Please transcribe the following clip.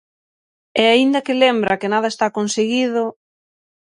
E aínda que lembra que nada está conseguido...